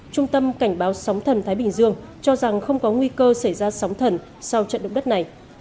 trung tâm cảnh báo sóng thần thái bình dương cho rằng không có nguy cơ xảy ra sóng thần sau trận động đất này